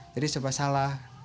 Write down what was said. jadi serba salah